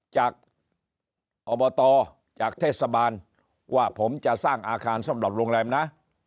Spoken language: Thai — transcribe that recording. จากอบตจากเทศบาลว่าผมจะสร้างอาคารสำหรับโรงแรมนะ